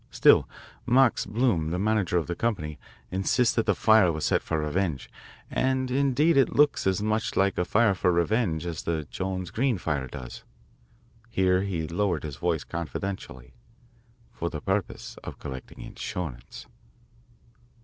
Still, Max Bloom, the manager of this company, insists that the fire was set for revenge, and indeed it looks as much like a fire for revenge as the Jones Green fire does" here he lowered his voice confidentially "for the purpose of collecting insurance.